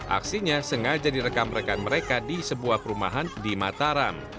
aksinya sengaja direkam rekan mereka di sebuah perumahan di mataram